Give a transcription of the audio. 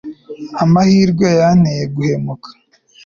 amahirwe yanteye guhumeka